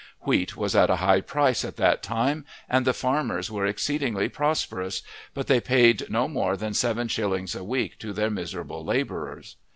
Wheat was at a high price at that time, and the farmers were exceedingly prosperous, but they paid no more than seven shillings a week to their miserable labourers.